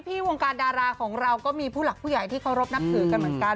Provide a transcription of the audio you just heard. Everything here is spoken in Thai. วงการดาราของเราก็มีผู้หลักผู้ใหญ่ที่เคารพนับถือกันเหมือนกัน